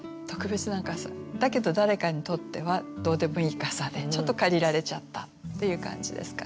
だけど誰かにとってはどうでもいい傘でちょっと借りられちゃったっていう感じですかね。